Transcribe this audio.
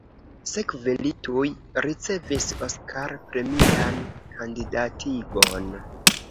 Sekve li tuj ricevis Oskar-premian kandidatigon.